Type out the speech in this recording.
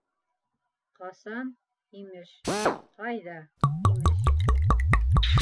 Ҡасан, имеш, ҡайҙа, имеш!